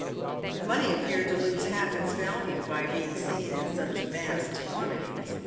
Money appeared to lose half its value by being seen in such vast quantities.